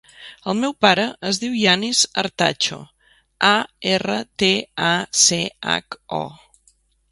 El meu pare es diu Yanis Artacho: a, erra, te, a, ce, hac, o.